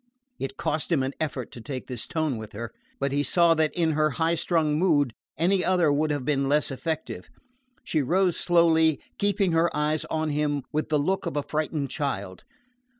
It cost him an effort to take this tone with her; but he saw that in her high strung mood any other would have been less effective. She rose slowly, keeping her eyes on him with the look of a frightened child.